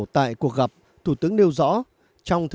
tất cả người ở việt nam